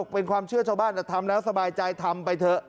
เป็นความเชื่อชาวบ้านแต่ทำแล้วสบายใจทำไปเถอะ